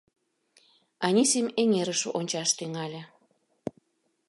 Анисим эҥерыш ончаш тӱҥале.